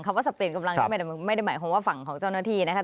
ว่าจะเปลี่ยนกำลังนี่ไม่ได้หมายความว่าฝั่งของเจ้าหน้าที่นะครับ